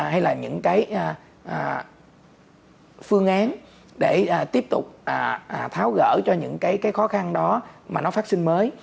hay là những cái phương án để tiếp tục tháo gỡ cho những cái khó khăn đó mà nó phát sinh mới